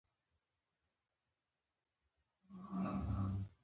زیاتره افریقایي ټولنې د سختو بنسټونو شاهدې وې.